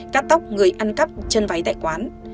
cắt tóc người ăn cắp chân váy tại quán